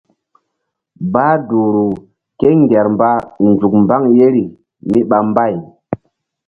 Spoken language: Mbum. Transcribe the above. Bah duhru kéŋger mba nzuk mbaŋ yeri míɓa mbay.